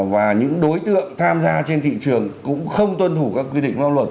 và những đối tượng tham gia trên thị trường cũng không tuân thủ các quy định pháp luật